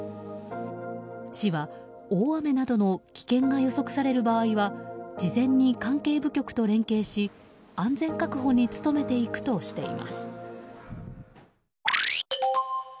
市は、大雨などの危険が予測される場合は事前に関係部局と連携し安全確保に努めていくとしています。